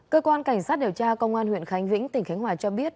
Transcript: cơ quan cảnh sát điều tra công an huyện khánh vĩnh tỉnh khánh hòa cho biết